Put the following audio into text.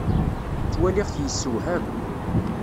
Ttwaliɣ-t yessewham.